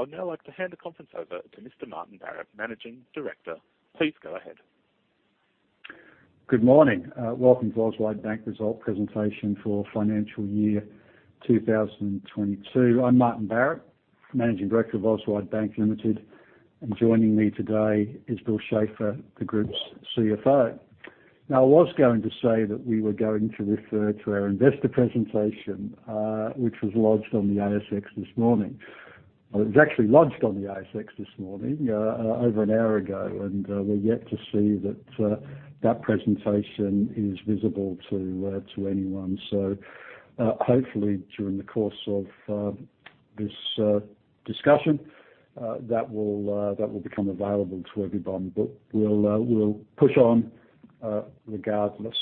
I would now like to hand the conference over to Mr. Martin Barrett, Managing Director. Please go ahead. Good morning. Welcome to Auswide Bank results presentation for financial year 2022. I'm Martin Barrett, Managing Director of Auswide Bank Ltd. Joining me today is Bill Schafer, the group's CFO. Now, I was going to say that we were going to refer to our investor presentation, which was lodged on the ASX this morning. Well, it was actually lodged on the ASX this morning, over an hour ago, and we're yet to see that presentation is visible to anyone. Hopefully, during the course of this discussion, that will become available to everyone. We'll push on, regardless.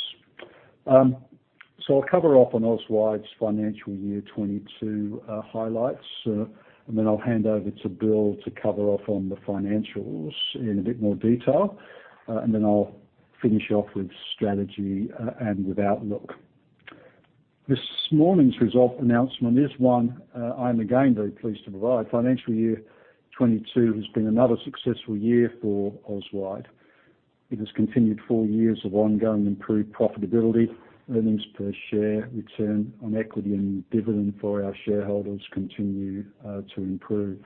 I'll cover off on Auswide's financial year 2022 highlights, and then I'll hand over to Bill to cover off on the financials in a bit more detail. I'll finish off with strategy, and with outlook. This morning's result announcement is one I am again very pleased to provide. Financial year 2022 has been another successful year for Auswide. It has continued four years of ongoing improved profitability, earnings per share, return on equity and dividend for our shareholders continue to improve.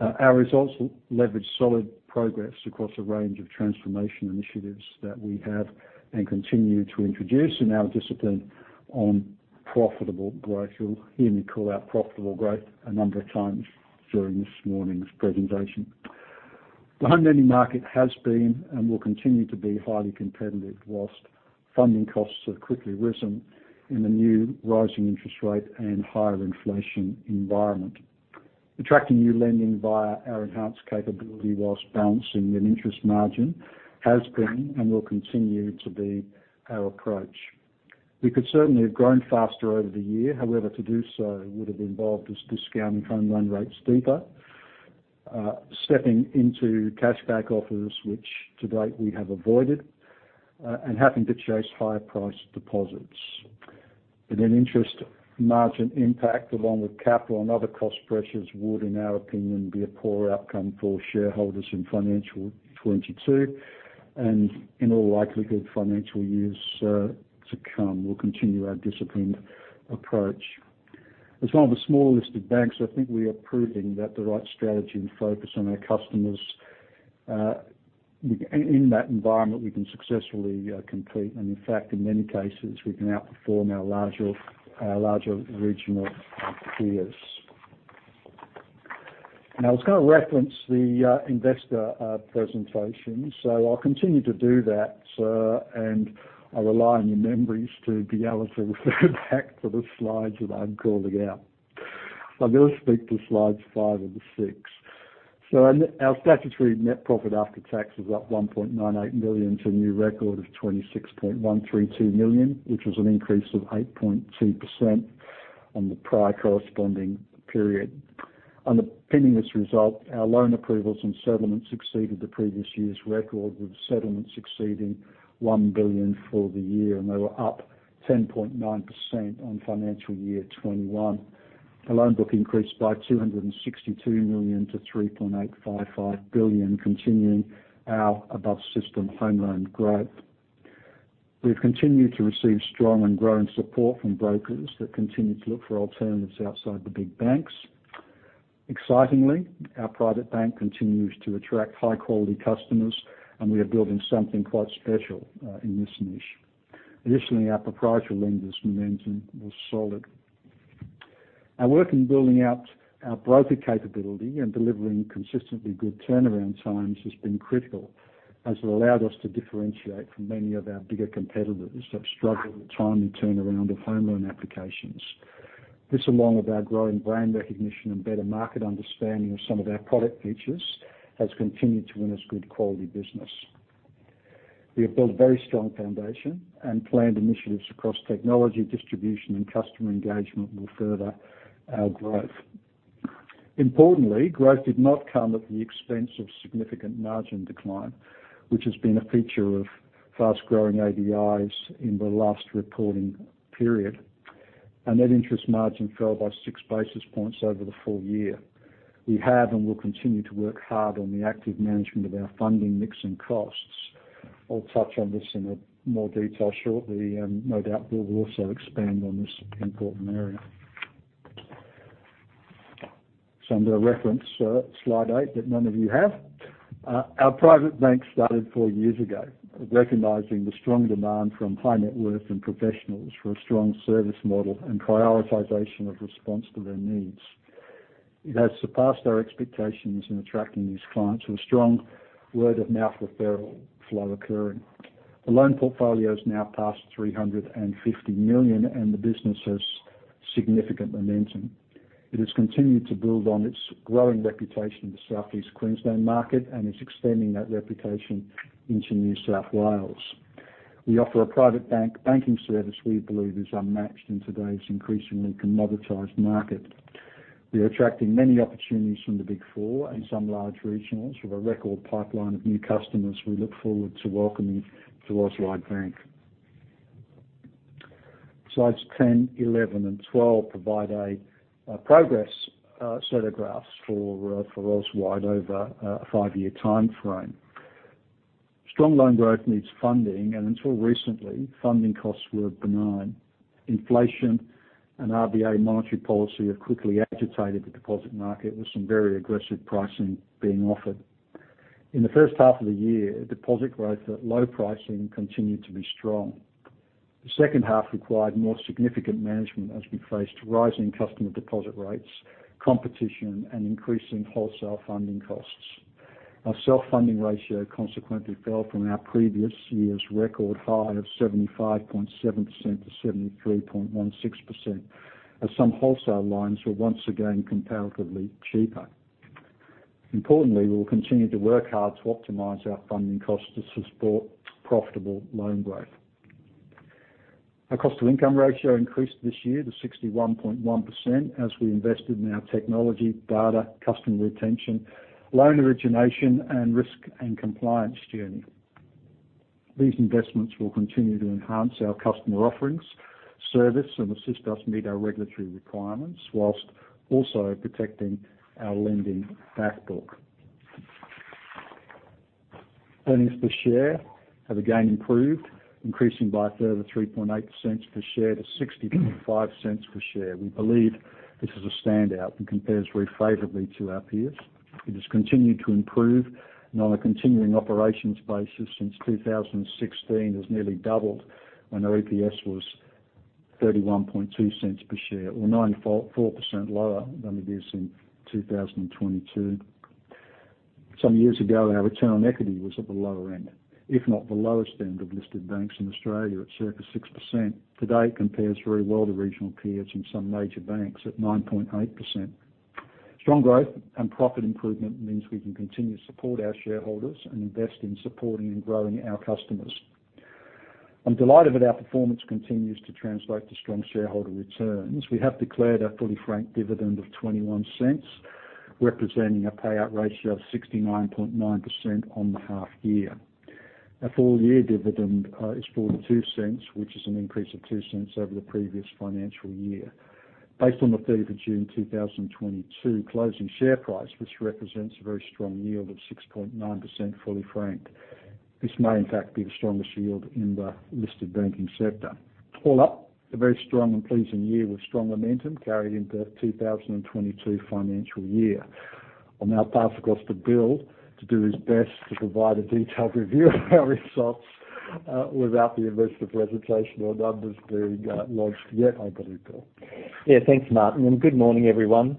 Our results leverage solid progress across a range of transformation initiatives that we have and continue to introduce in our discipline on profitable growth. You'll hear me call out profitable growth a number of times during this morning's presentation. The home lending market has been, and will continue to be, highly competitive, while funding costs have quickly risen in the new rising interest rate and higher inflation environment. Attracting new lending via our enhanced capability while balancing an interest margin has been, and will continue to be, our approach. We could certainly have grown faster over the year. However, to do so would have involved us discounting home loan rates deeper, stepping into cash back offers, which to date we have avoided, and having to chase higher price deposits. An interest margin impact along with capital and other cost pressures would, in our opinion, be a poor outcome for shareholders in financial 2022 and in all likelihood, financial years, to come. We'll continue our disciplined approach. As one of the smaller listed banks, I think we are proving that the right strategy and focus on our customers, we can successfully compete, and in fact, in many cases, we can outperform our larger regional peers. Now I was going to reference the investor presentation, so I'll continue to do that, and I'll rely on your memories to be able to refer back to the slides that I'm calling out. I'm going to speak to slides five and six. Our statutory net profit after tax was up 1.98 million to a new record of 26.132 million, which was an increase of 8.2% on the prior corresponding period. Underpinning this result, our loan approvals and settlements exceeded the previous year's record, with settlements exceeding 1 billion for the year, and they were up 10.9% on financial year 2021. The loan book increased by 262 million to 3.855 billion, continuing our above system home loan growth. We've continued to receive strong and growing support from brokers that continue to look for alternatives outside the big banks. Excitingly, our private bank continues to attract high quality customers and we are building something quite special, in this niche. Additionally, our proprietary lender's momentum was solid. Our work in building out our broker capability and delivering consistently good turnaround times has been critical, as it allowed us to differentiate from many of our bigger competitors who have struggled with time and turnaround of home loan applications. This, along with our growing brand recognition and better market understanding of some of our product features, has continued to win us good quality business. We have built a very strong foundation, and planned initiatives across technology, distribution and customer engagement will further our growth. Importantly, growth did not come at the expense of significant margin decline, which has been a feature of fast growing ADIs in the last reporting period. Our net interest margin fell by 6 basis points over the full year. We have and will continue to work hard on the active management of our funding mix and costs. I'll touch on this in more detail shortly, and no doubt Bill will also expand on this important area. I'm going to reference slide eight that none of you have. Our Private Bank started four years ago, recognizing the strong demand from high net worth and professionals for a strong service model and prioritization of response to their needs. It has surpassed our expectations in attracting these clients with strong word-of-mouth referral flow occurring. The loan portfolio is now past 350 million, and the business has significant momentum. It has continued to build on its growing reputation in the Southeast Queensland market and is extending that reputation into New South Wales. We offer a Private Bank banking service we believe is unmatched in today's increasingly commoditized market. We are attracting many opportunities from the Big Four and some large regionals with a record pipeline of new customers we look forward to welcoming to Auswide Bank. Slides 10, 11, and 12 provide a progress set of graphs for Auswide over a five-year timeframe. Strong loan growth needs funding, and until recently, funding costs were benign. Inflation and RBA monetary policy have quickly agitated the deposit market, with some very aggressive pricing being offered. In the first half of the year, deposit growth at low pricing continued to be strong. The second half required more significant management as we faced rising customer deposit rates, competition, and increasing wholesale funding costs. Our self-funding ratio consequently fell from our previous year's record high of 75.7% to 73.16%, as some wholesale loans were once again comparatively cheaper. Importantly, we'll continue to work hard to optimize our funding costs to support profitable loan growth. Our cost to income ratio increased this year to 61.1% as we invested in our technology, data, customer retention, loan origination, and risk and compliance journey. These investments will continue to enhance our customer offerings, service, and assist us meet our regulatory requirements, while also protecting our lending back book. Earnings per share have again improved, increasing by further 0.038 per share to 0.65 per share. We believe this is a standout and compares very favorably to our peers. It has continued to improve, and on a continuing operations basis since 2016 has nearly doubled when our EPS was 0.312 per share, or 52% lower than it is in 2022. Some years ago, our return on equity was at the lower end, if not the lowest end of listed banks in Australia at circa 6%. Today it compares very well to regional peers and some major banks at 9.8%. Strong growth and profit improvement means we can continue to support our shareholders and invest in supporting and growing our customers. I'm delighted that our performance continues to translate to strong shareholder returns. We have declared our fully franked dividend of 0.21, representing a payout ratio of 69.9% on the half year. Our full year dividend is 0.42, which is an increase of 0.02 over the previous financial year. Based on the 30 June 2022 closing share price, which represents a very strong yield of 6.9% fully franked. This may in fact be the strongest yield in the listed banking sector. All up, a very strong and pleasing year with strong momentum carried into 2022 financial year. I'll now pass across to Bill to do his best to provide a detailed review of our results, without the investor presentation or numbers being launched yet. Over to you, Bill. Yeah, thanks, Martin, and good morning, everyone.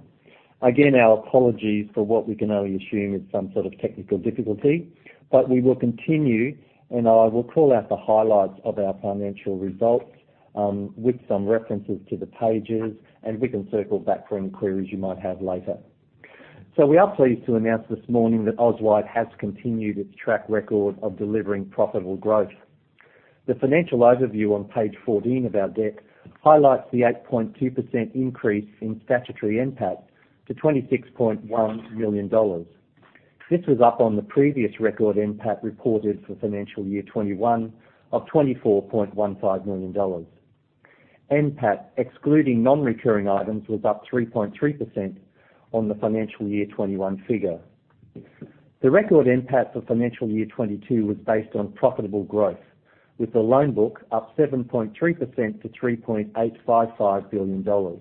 Again, our apologies for what we can only assume is some sort of technical difficulty, but we will continue, and I will call out the highlights of our financial results, with some references to the pages, and we can circle back for any queries you might have later. We are pleased to announce this morning that Auswide has continued its track record of delivering profitable growth. The financial overview on page 14 of our deck highlights the 8.2% increase in statutory NPAT to 26.1 million dollars. This was up on the previous record NPAT reported for financial year 2021 of 24.15 million dollars. NPAT, excluding non-recurring items, was up 3.3% on the financial year 2021 figure. The record NPAT for financial year 2022 was based on profitable growth, with the loan book up 7.3% to 3.855 billion dollars.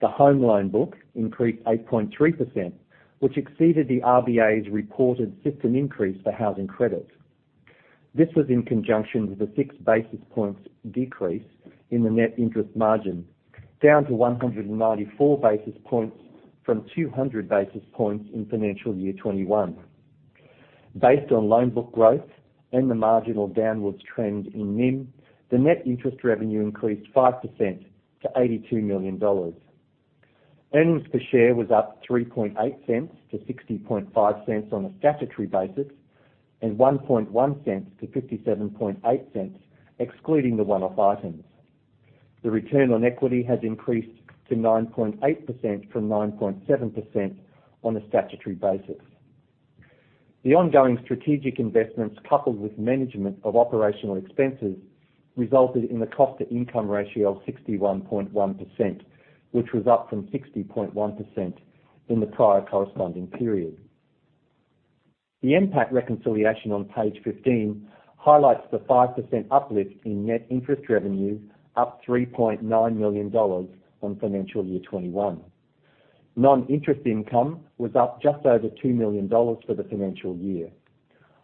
The home loan book increased 8.3%, which exceeded the RBA's reported system increase for housing credit. This was in conjunction with a 6 basis points decrease in the net interest margin, down to 194 basis points from 200 basis points in financial year 2021. Based on loan book growth and the marginal downward trend in NIM, the net interest revenue increased 5% to 82 million dollars. Earnings per share was up 0.038 to 0.605 on a statutory basis, and 0.011 to 0.578 excluding the one-off items. The return on equity has increased to 9.8% from 9.7% on a statutory basis. The ongoing strategic investments, coupled with management of operational expenses, resulted in the cost to income ratio of 61.1%, which was up from 60.1% in the prior corresponding period. The NPAT reconciliation on page 15 highlights the 5% uplift in net interest revenue, up 3.9 million dollars on financial year 2021. Non-interest income was up just over 2 million dollars for the financial year.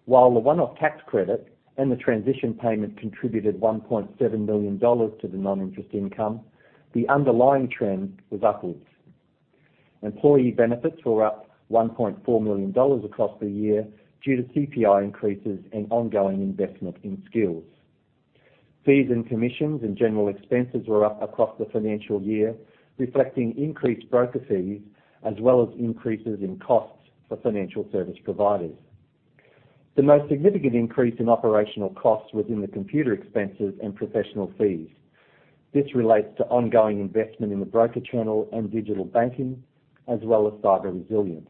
While the one-off tax credit and the transition payment contributed 1.7 million dollars to the non-interest income, the underlying trend was upwards. Employee benefits were up 1.4 million dollars across the year due to CPI increases and ongoing investment in skills. Fees and commissions and general expenses were up across the financial year, reflecting increased broker fees, as well as increases in costs for financial service providers. The most significant increase in operational costs was in the computer expenses and professional fees. This relates to ongoing investment in the broker channel and digital banking, as well as cyber resilience.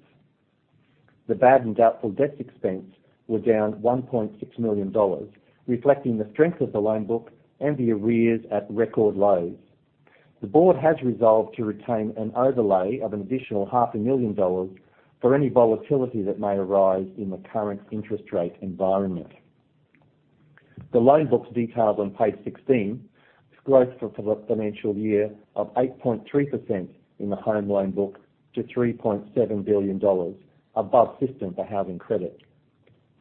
The bad and doubtful debt expense were down 1.6 million dollars, reflecting the strength of the loan book and the arrears at record lows. The board has resolved to retain an overlay of an additional 0.5 million dollars for any volatility that may arise in the current interest rate environment. The loan books detailed on page 16, growth for the financial year of 8.3% in the home loan book to 3.7 billion dollars above system for housing credit.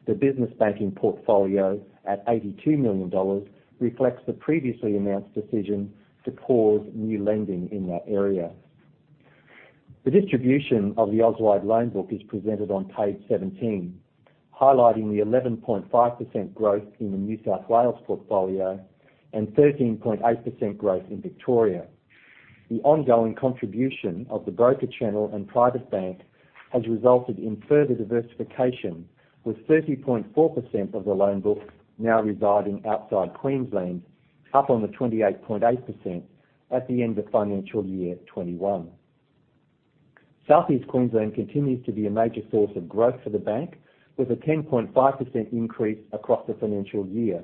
The business banking portfolio at 82 million dollars reflects the previously announced decision to pause new lending in that area. The distribution of the Auswide loan book is presented on page 17, highlighting the 11.5% growth in the New South Wales portfolio and 13.8% growth in Victoria. The ongoing contribution of the broker channel and Private Bank has resulted in further diversification, with 30.4% of the loan book now residing outside Queensland, up on the 28.8% at the end of financial year 2021. Southeast Queensland continues to be a major source of growth for the bank, with a 10.5% increase across the financial year.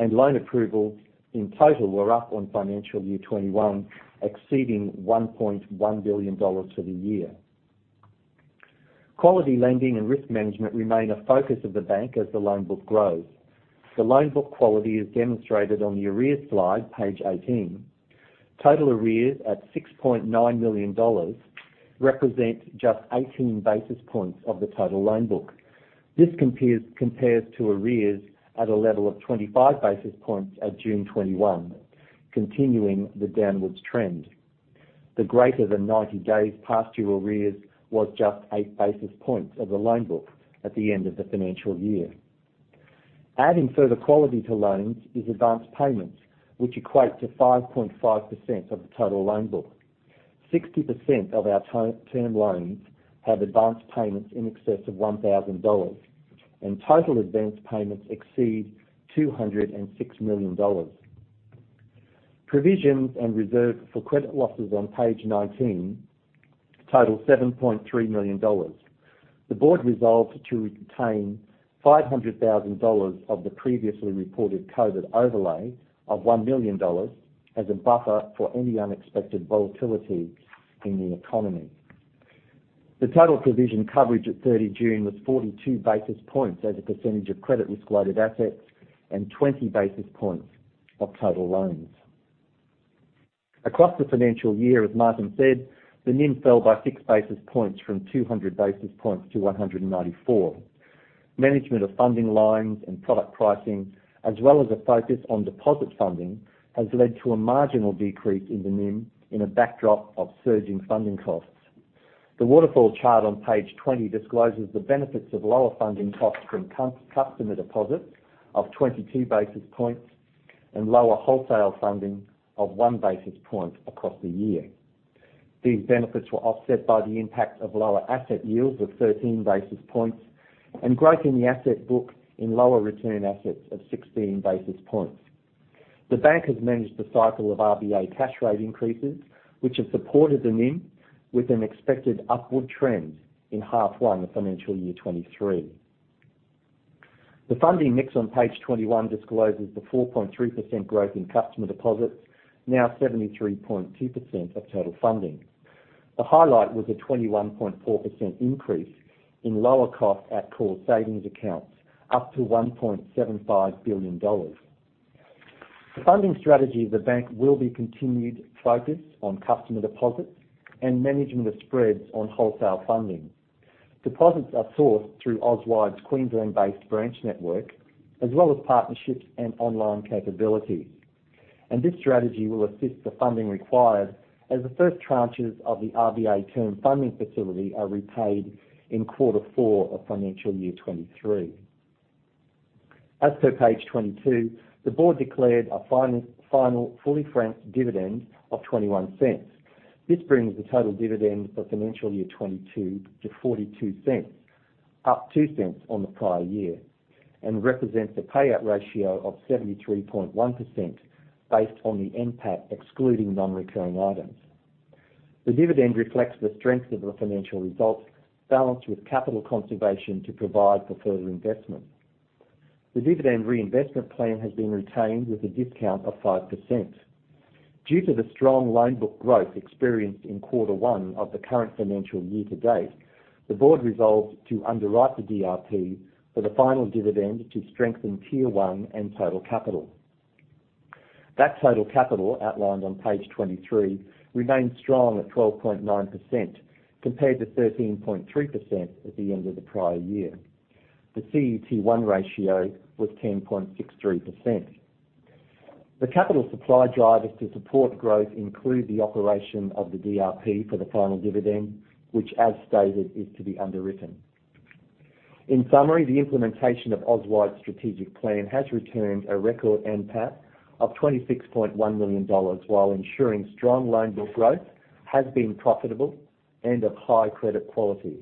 Loan approvals in total were up on financial year 2021, exceeding 1.1 billion dollars for the year. Quality lending and risk management remain a focus of the bank as the loan book grows. The loan book quality is demonstrated on the arrears slide, page 18. Total arrears at 6.9 million dollars represents just 18 basis points of the total loan book. This compares to arrears at a level of 25 basis points at June 2021, continuing the downwards trend. The greater than 90 days past due arrears was just 8 basis points of the loan book at the end of the financial year. Adding further quality to loans is advance payments, which equate to 5.5% of the total loan book. 60% of our term loans have advance payments in excess of 1,000 dollars, and total advance payments exceed 206 million dollars. Provisions and reserves for credit losses on page 19 total 7.3 million dollars. The board resolved to retain 500,000 dollars of the previously reported COVID overlay of 1 million dollars as a buffer for any unexpected volatility in the economy. The total provision coverage at 30 June was 42 basis points as a percentage of credit risk-weighted assets and 20 basis points of total loans. Across the financial year, as Martin said, the NIM fell by 6 basis points from 200 basis points to 194 basis points. Management of funding lines and product pricing, as well as a focus on deposit funding, has led to a marginal decrease in the NIM in a backdrop of surging funding costs. The waterfall chart on page 20 discloses the benefits of lower funding costs from customer deposits of 22 basis points and lower wholesale funding of 1 basis point across the year. These benefits were offset by the impact of lower asset yields of 13 basis points and growth in the asset book in lower return assets of 16 basis points. The bank has managed the cycle of RBA cash rate increases, which have supported the NIM with an expected upward trend in half one of financial year 2023. The funding mix on page 21 discloses the 4.3% growth in customer deposits, now 73.2% of total funding. The highlight was a 21.4% increase in lower-cost at-call core savings accounts, up to 1.75 billion dollars. The funding strategy of the bank will be continued, focused on customer deposits and management of spreads on wholesale funding. Deposits are sourced through Auswide's Queensland-based branch network, as well as partnerships and online capabilities. This strategy will assist the funding required as the first tranches of the RBA Term Funding Facility are repaid in quarter four of financial year 2023. As per page 22, the board declared a final fully franked dividend of 0.21. This brings the total dividend for financial year 2022 to 0.42, up 0.02 on the prior year, and represents a payout ratio of 73.1% based on the NPAT, excluding non-recurring items. The dividend reflects the strength of the financial results balanced with capital conservation to provide for further investment. The dividend reinvestment plan has been retained with a discount of 5%. Due to the strong loan book growth experienced in quarter one of the current financial year-to-date, the board resolved to underwrite the DRP for the final dividend to strengthen Tier 1 and total capital. That total capital outlined on page 23 remains strong at 12.9% compared to 13.3% at the end of the prior year. The CET1 ratio was 10.63%. The capital supply drivers to support growth include the operation of the DRP for the final dividend, which as stated, is to be underwritten. In summary, the implementation of Auswide's strategic plan has returned a record NPAT of 26.1 million dollars, while ensuring strong loan book growth has been profitable and of high credit quality.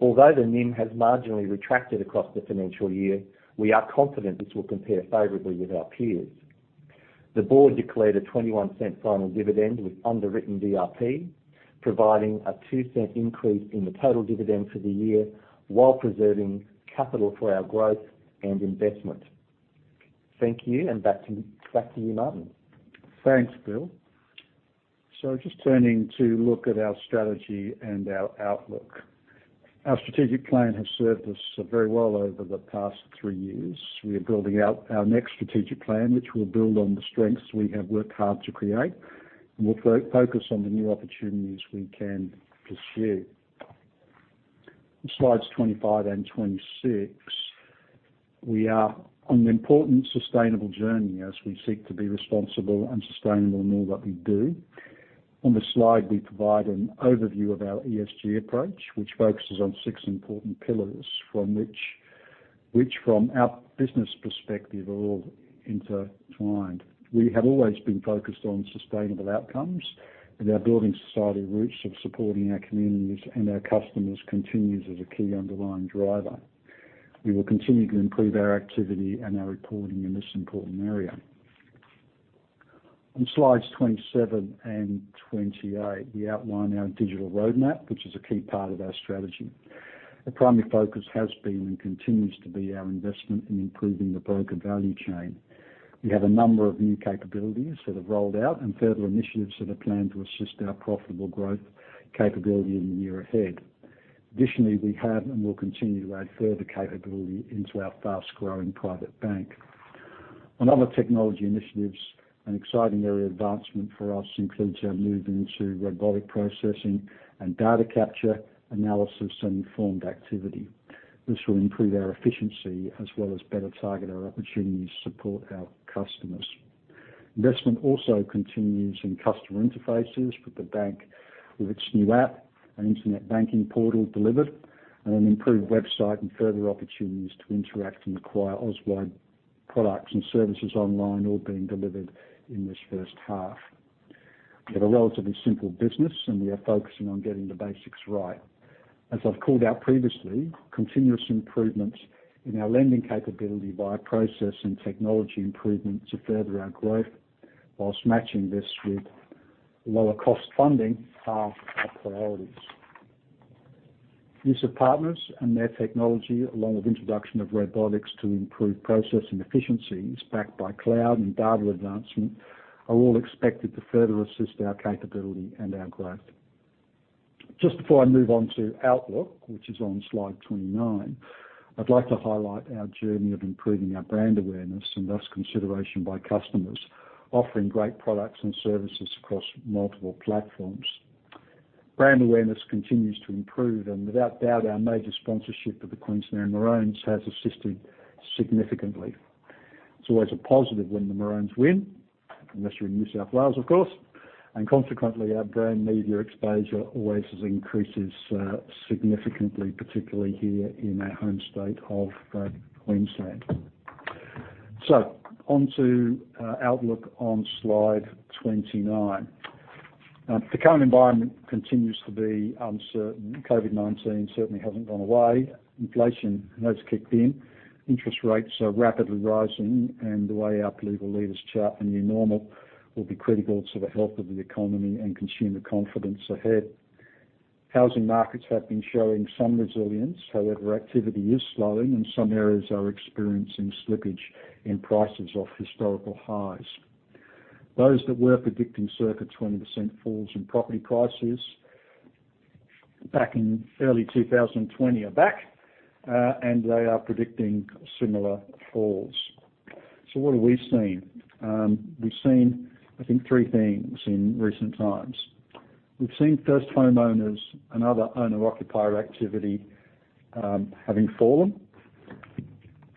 Although the NIM has marginally retracted across the financial year, we are confident this will compare favorably with our peers. The board declared a 0.21 final dividend with underwritten DRP, providing a 0.02 increase in the total dividend for the year while preserving capital for our growth and investment. Thank you, and back to you, Martin. Thanks, Bill. Just turning to look at our strategy and our outlook. Our strategic plan has served us very well over the past three years. We are building out our next strategic plan, which will build on the strengths we have worked hard to create, and we'll focus on the new opportunities we can pursue. Slides 25 and 26, we are on an important sustainable journey as we seek to be responsible and sustainable in all that we do. On the slide, we provide an overview of our ESG approach, which focuses on six important pillars which from our business perspective are all intertwined. We have always been focused on sustainable outcomes, and our building society roots of supporting our communities and our customers continues as a key underlying driver. We will continue to improve our activity and our reporting in this important area. On slides 27 and 28, we outline our digital roadmap, which is a key part of our strategy. The primary focus has been, and continues to be, our investment in improving the broker value chain. We have a number of new capabilities that have rolled out and further initiatives that are planned to assist our profitable growth capability in the year ahead. Additionally, we have, and will continue to add further capability into our fast-growing Private Bank. On other technology initiatives, an exciting area of advancement for us includes our move into robotic processing and data capture, analysis, and informed activity. This will improve our efficiency as well as better target our opportunity to support our customers. Investment also continues in customer interfaces with the bank, with its new app and internet banking portal delivered and an improved website and further opportunities to interact and acquire Auswide products and services online all being delivered in this first half. We have a relatively simple business, and we are focusing on getting the basics right. As I've called out previously, continuous improvements in our lending capability by process and technology improvements to further our growth whilst matching this with lower cost funding are our priorities. Use of partners and their technology along with introduction of robotics to improve processing efficiencies backed by cloud and data advancement are all expected to further assist our capability and our growth. Just before I move on to outlook, which is on slide 29, I'd like to highlight our journey of improving our brand awareness and thus consideration by customers offering great products and services across multiple platforms. Brand awareness continues to improve, and without doubt, our major sponsorship of the Queensland Maroons has assisted significantly. It's always a positive when the Maroons win, unless you're in New South Wales, of course, and consequently, our brand media exposure always increases significantly, particularly here in our home state of Queensland. On to outlook on slide 29. The current environment continues to be uncertain. COVID-19 certainly hasn't gone away. Inflation has kicked in. Interest rates are rapidly rising, and the way our political leaders chart the new normal will be critical to the health of the economy and consumer confidence ahead. Housing markets have been showing some resilience. However, activity is slowing, and some areas are experiencing slippage in prices off historical highs. Those that were predicting circa 20% falls in property prices back in early 2020 are back, and they are predicting similar falls. What have we seen? We've seen, I think, three things in recent times. We've seen first homeowners and other owner-occupier activity having fallen.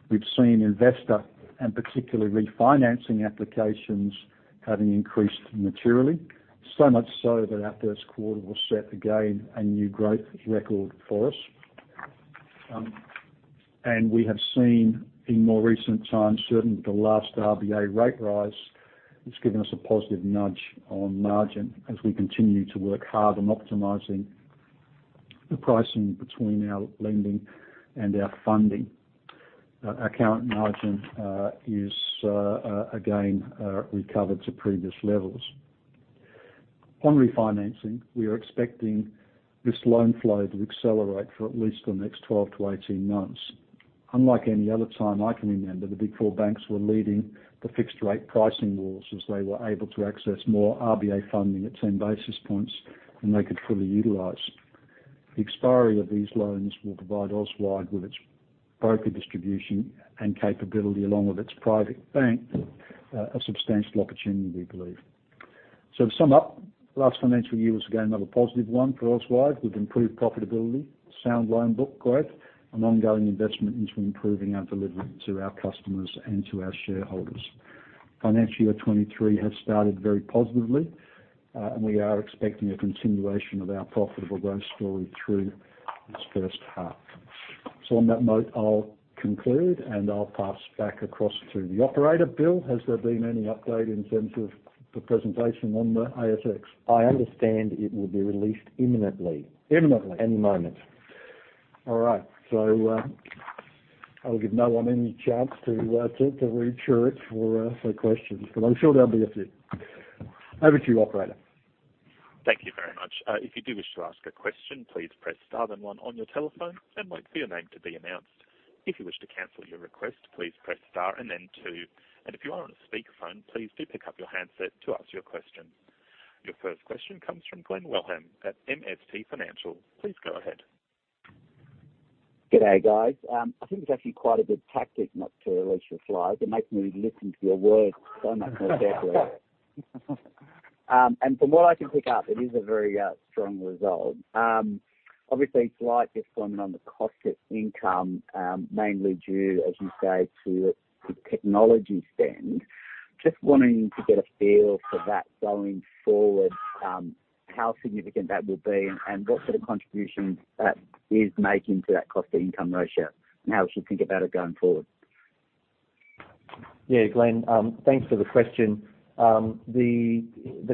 We've seen investor and particularly refinancing applications having increased materially, so much so that our first quarter will set again a new growth record for us. We have seen in more recent times, certainly with the last RBA rate rise, it's given us a positive nudge on margin as we continue to work hard on optimizing the pricing between our lending and our funding. Our account margin is again recovered to previous levels. On refinancing, we are expecting this loan flow to accelerate for at least the next 12 months-18 months. Unlike any other time I can remember, the Big Four banks were leading the fixed rate pricing wars as they were able to access more RBA funding at 10 basis points than they could fully utilize. The expiry of these loans will provide Auswide with its broker distribution and capability along with its Private Bank, a substantial opportunity, we believe. To sum up, last financial year was again another positive one for Auswide with improved profitability, sound loan book growth, and ongoing investment into improving our delivery to our customers and to our shareholders. Financial year 2023 has started very positively, and we are expecting a continuation of our profitable growth story through this first half. On that note, I'll conclude, and I'll pass back across to the Operator. Bill, has there been any update in terms of the presentation on the ASX? I understand it will be released imminently. Imminently. Any moment. All right. I'll give no one any chance to reassure it for questions, but I'm sure there'll be a few. Over to you, Operator. Thank you very much. If you do wish to ask a question, please press star then one on your telephone and wait for your name to be announced. If you wish to cancel your request, please press star and then two. If you are on a speakerphone, please do pick up your handset to ask your question. Your first question comes from Glen Wellham at MST Financial. Please go ahead. Good day, guys. I think it's actually quite a good tactic not to release your slides. It makes me listen to your words so much more carefully. From what I can pick up, it is a very strong result. Obviously slight discipline on the cost-to-income, mainly due, as you say, to the technology spend. Just wanting to get a feel for that going forward, how significant that will be and what sort of contribution that is making to that cost-to-income ratio and how we should think about it going forward. Yeah, Glenn, thanks for the question. The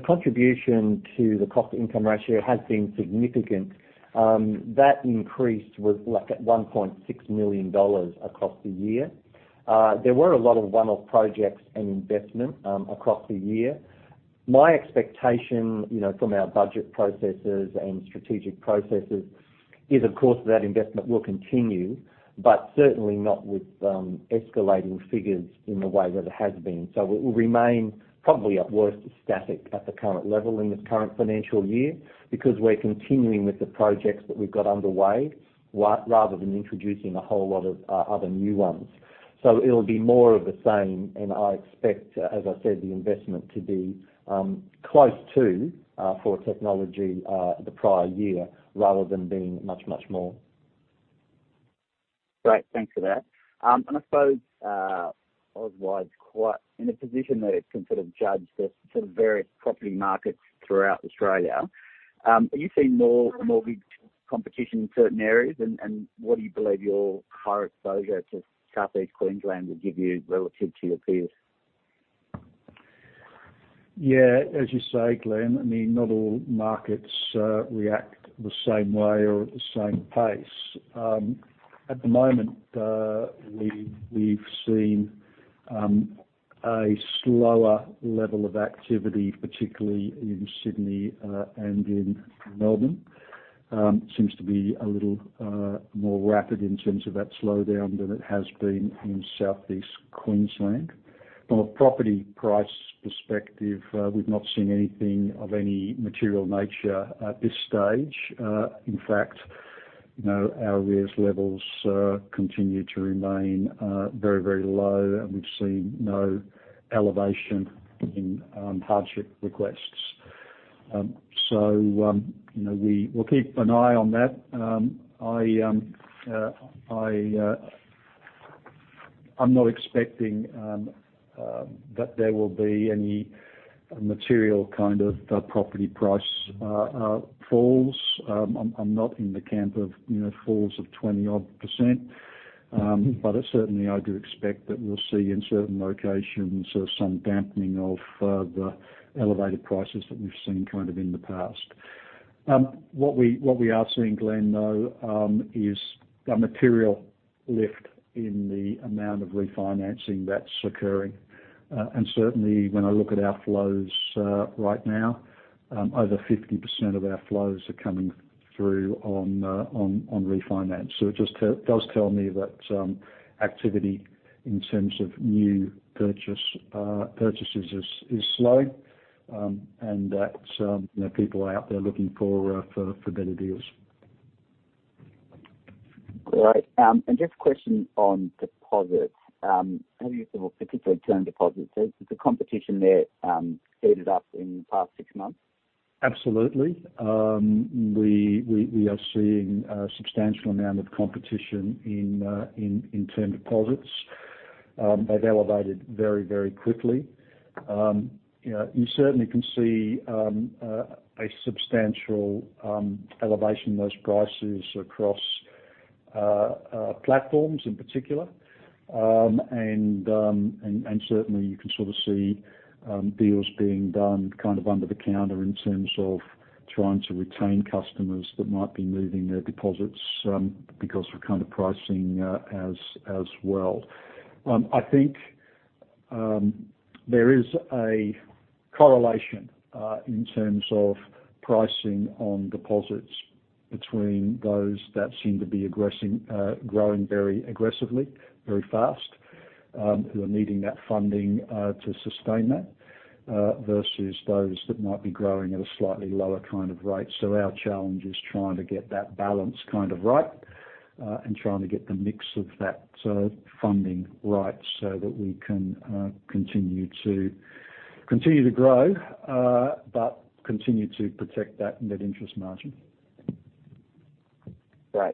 contribution to the cost to income ratio has been significant. That increase was like at 1.6 million dollars across the year. There were a lot of one-off projects and investment across the year. My expectation, you know, from our budget processes and strategic processes is, of course, that investment will continue, but certainly not with escalating figures in the way that it has been. It will remain probably at worst static at the current level in this current financial year because we're continuing with the projects that we've got underway rather than introducing a whole lot of other new ones. It'll be more of the same, and I expect, as I said, the investment to be close to for technology the prior year, rather than being much, much more. Great. Thanks for that. I suppose Auswide's quite in a position that it can sort of judge the sort of various property markets throughout Australia. Are you seeing more and more big competition in certain areas? What do you believe your higher exposure to Southeast Queensland will give you relative to your peers? Yeah, as you say, Glenn, I mean, not all markets react the same way or at the same pace. At the moment, we've seen a slower level of activity, particularly in Sydney and in Melbourne. Seems to be a little more rapid in terms of that slowdown than it has been in Southeast Queensland. From a property price perspective, we've not seen anything of any material nature at this stage. In fact, you know, our arrears levels continue to remain very, very low, and we've seen no elevation in hardship requests. You know, we'll keep an eye on that. I'm not expecting that there will be any material kind of property price falls. I'm not in the camp of, you know, falls of 20%-odd. But certainly I do expect that we'll see in certain locations some dampening of the elevated prices that we've seen kind of in the past. What we are seeing, Glenn, though, is a material lift in the amount of refinancing that's occurring. And certainly when I look at our flows right now, over 50% of our flows are coming through on refinance. It just does tell me that activity in terms of new purchases is slow, and that, you know, people are out there looking for better deals. Great. Just a question on deposits. How do you think, well, particularly term deposits? Has the competition there heated up in the past six months? Absolutely. We are seeing a substantial amount of competition in term deposits. They've elevated very, very quickly. You know, you certainly can see a substantial elevation in those prices across platforms in particular. Certainly you can sort of see deals being done kind of under the counter in terms of trying to retain customers that might be moving their deposits because of kind of pricing as well. I think there is a correlation in terms of pricing on deposits between those that seem to be aggressing growing very aggressively, very fast who are needing that funding to sustain that versus those that might be growing at a slightly lower kind of rate. Our challenge is trying to get that balance kind of right, and trying to get the mix of that funding right so that we can continue to grow, but continue to protect that net interest margin. Great.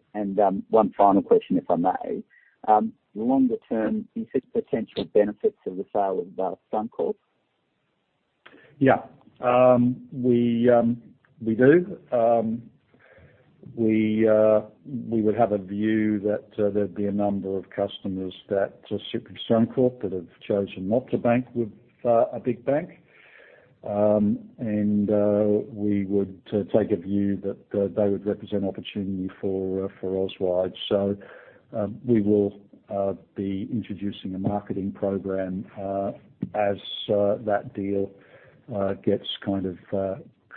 One final question, if I may. Longer term, do you see potential benefits of the sale of Suncorp? Yeah. We do. We would have a view that there'd be a number of customers that are ex-Suncorp that have chosen not to bank with a big bank. We would take a view that they would represent opportunity for Auswide. We will be introducing a marketing program as that deal gets kind of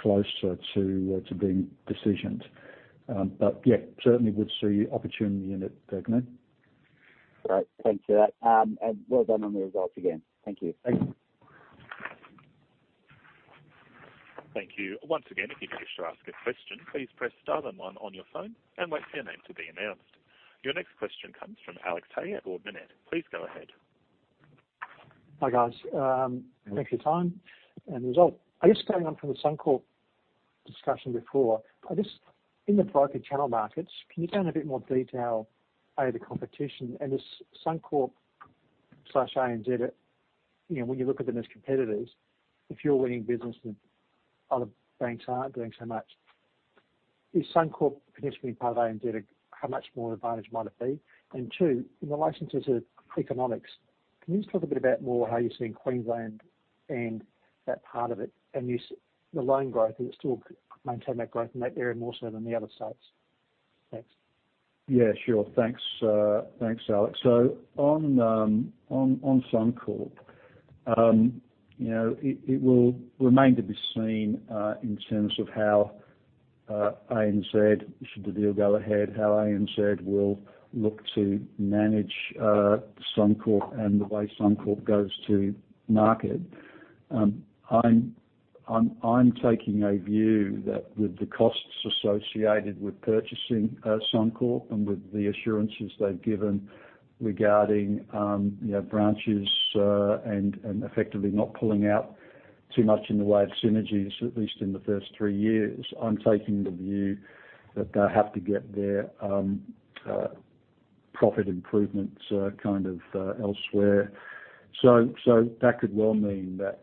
closer to being decisioned. Yeah, certainly would see opportunity in it, Glenn. Great. Thanks for that. Well done on the results again. Thank you. Thanks. Thank you. Once again, if you'd wish to ask a question, please press star and one on your phone and wait for your name to be announced. Your next question comes from Alex Tay at Ord Minnett. Please go ahead. Hi, guys. Thanks for your time and result. I guess going on from the Suncorp discussion before, I guess in the broker channel markets, can you go in a bit more detail, the competition and the Suncorp/ANZ, you know, when you look at them as competitors, if you're winning business and other banks aren't doing so much, is Suncorp potentially part of ANZ? How much more advantage might it be? And two, in the lending economics, can you just talk a bit about more how you see in Queensland and that part of it, and you see the loan growth, and it's still maintain that growth in that area more so than the other states? Thanks. Yeah, sure. Thanks, Alex. On Suncorp, you know, it will remain to be seen in terms of how ANZ, should the deal go ahead, how ANZ will look to manage Suncorp and the way Suncorp goes to market. I'm taking a view that with the costs associated with purchasing Suncorp and with the assurances they've given regarding you know, branches, and effectively not pulling out too much in the way of synergies, at least in the first three years, I'm taking the view that they have to get their profit improvements kind of elsewhere. That could well mean that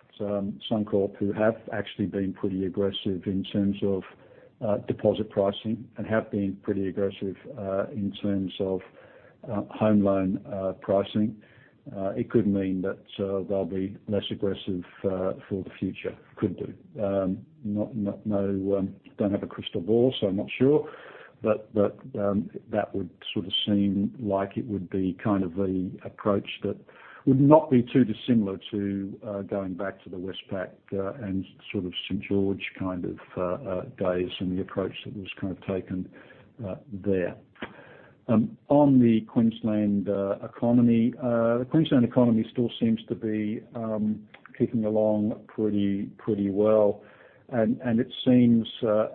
Suncorp, who have actually been pretty aggressive in terms of deposit pricing and have been pretty aggressive in terms of home loan pricing, it could mean that they'll be less aggressive for the future. Could do. No, don't have a crystal ball, so I'm not sure. That would sort of seem like it would be kind of the approach that would not be too dissimilar to going back to the Westpac and sort of St. George kind of days and the approach that was kind of taken there. On the Queensland economy, the Queensland economy still seems to be kicking along pretty well. It seems,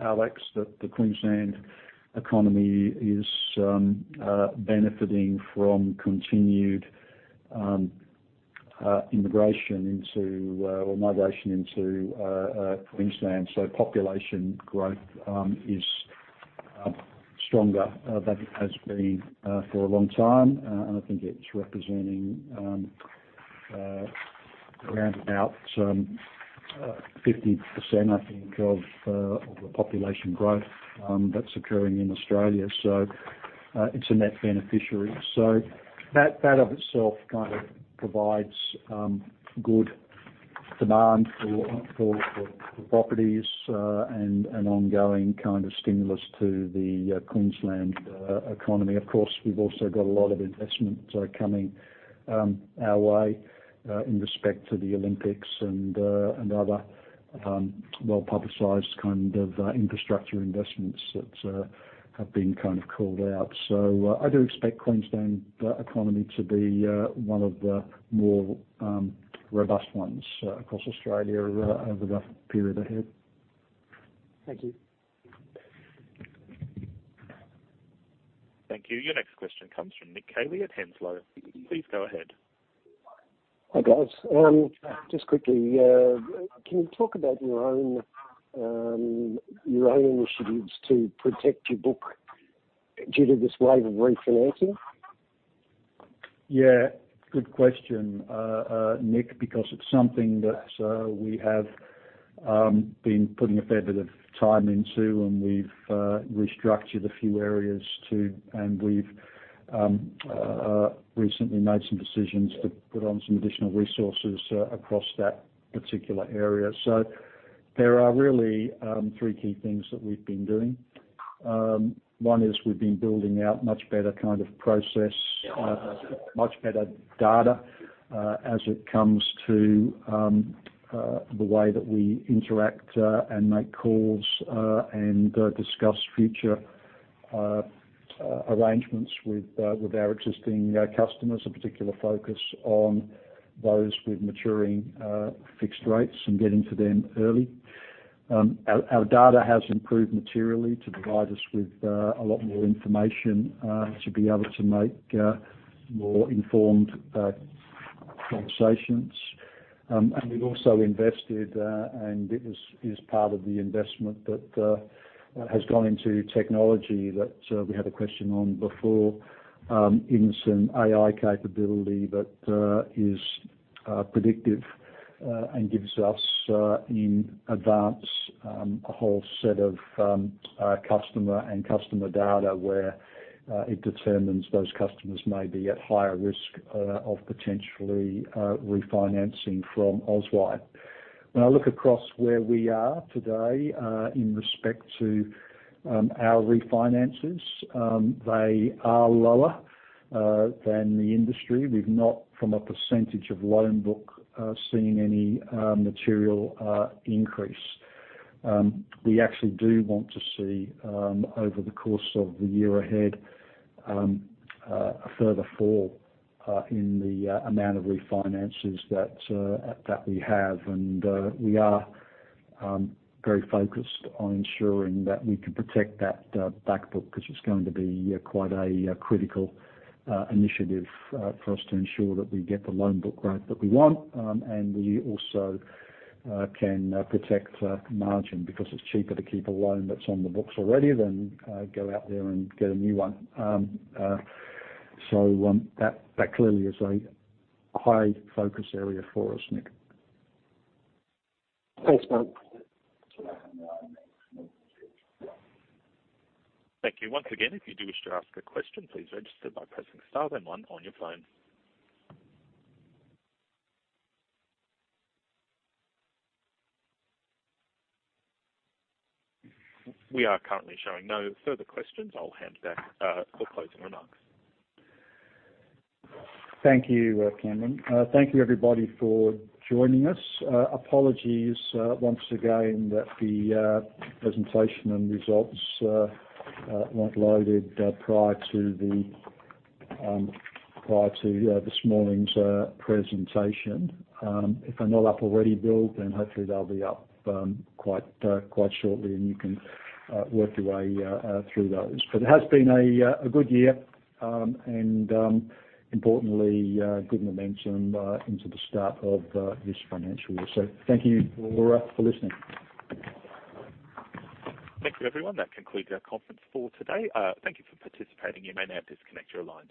Alex, that the Queensland economy is benefiting from continued migration into Queensland. Population growth is stronger than it has been for a long time. I think it's representing around about 50% I think of the population growth that's occurring in Australia. It's a net beneficiary. That of itself kind of provides good demand for properties and ongoing kind of stimulus to the Queensland economy. Of course, we've also got a lot of investments that are coming our way in respect to the Olympics and other well-publicized kind of infrastructure investments that have been kind of called out. I do expect Queensland economy to be one of the more robust ones across Australia over the period ahead. Thank you. Thank you. Your next question comes from Nick Caley at Henslow. Please go ahead. Hi, guys. Just quickly, can you talk about your own initiatives to protect your book due to this wave of refinancing? Yeah, good question, Nick, because it's something that we have been putting a fair bit of time into, and we've restructured a few areas too, and we've recently made some decisions to put on some additional resources across that particular area. There are really three key things that we've been doing. One is we've been building out much better kind of process, much better data, as it comes to the way that we interact and make calls and discuss future arrangements with our existing customers, a particular focus on those with maturing fixed rates and getting to them early. Our data has improved materially to provide us with a lot more information to be able to make more informed conversations. We've also invested, and it is part of the investment that has gone into technology that we had a question on before, in some AI capability that is predictive and gives us in advance a whole set of customer data where it determines those customers may be at higher risk of potentially refinancing from Auswide. When I look across where we are today, in respect to our refinances, they are lower than the industry. We've not, from a percentage of loan book, seen any material increase. We actually do want to see, over the course of the year ahead, a further fall in the amount of refinances that we have. We are very focused on ensuring that we can protect that back book, 'cause it's going to be quite a critical initiative for us to ensure that we get the loan book growth that we want. We also can protect margin because it's cheaper to keep a loan that's on the books already than go out there and get a new one. That clearly is a high focus area for us, Nick. Thanks, Martin. Thank you. Once again, if you do wish to ask a question, please register by pressing star then one on your phone. We are currently showing no further questions. I'll hand it back for closing remarks. Thank you, Cameron. Thank you, everybody, for joining us. Apologies, once again, that the presentation and results weren't loaded prior to this morning's presentation. If they're not up already, Bill, then hopefully they'll be up quite shortly, and you can work your way through those. It has been a good year, and importantly, good momentum into the start of this financial year. Thank you for listening. Thank you, everyone. That concludes our conference for today. Thank you for participating. You may now disconnect your lines.